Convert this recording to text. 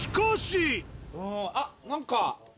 あっ何か。